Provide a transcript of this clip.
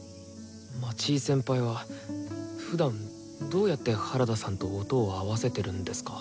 町井先輩はふだんどうやって原田さんと音を合わせてるんですか？